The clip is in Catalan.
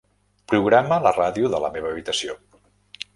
Programa la ràdio de la meva habitació.